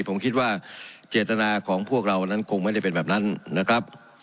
ผมคิดว่าเจตนาของพวกเรานั้นคงไม่ได้เป็นแบบนั้นนะครับ